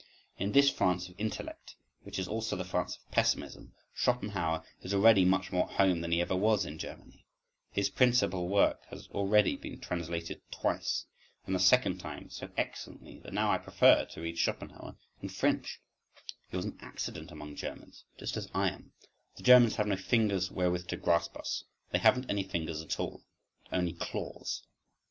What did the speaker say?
In this France of intellect, which is also the France of pessimism, Schopenhauer is already much more at home than he ever was in Germany, his principal work has already been translated twice, and the second time so excellently that now I prefer to read Schopenhauer in French (—he was an accident among Germans, just as I am—the Germans have no fingers wherewith to grasp us; they haven't any fingers at all,—but only claws).